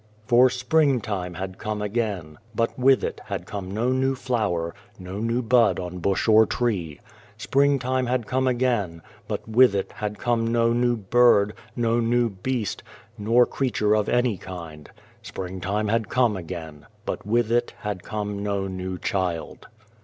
For spring time had come again, but with it had come no new flower, no new bud on bush or tree. Spring time had come again, but with it had come no new bird, no new beast, nor creature of any kind. Spring time had come again, but with it had come no new child.